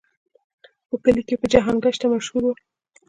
په کلي کې په جهان ګشته مشهور و.